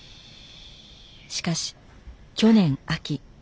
しかし去年秋。